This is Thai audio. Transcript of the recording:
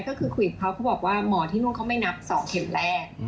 ก็บอกว่าหมอที่นู้นเค้าไม่นับสองเข็มแรก